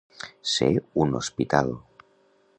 Ser un hospital.